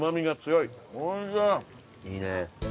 いいね。